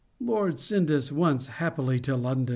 Lord send us once happily to London!